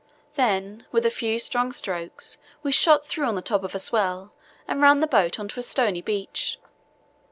Then, with a few strong strokes we shot through on the top of a swell and ran the boat on to a stony beach.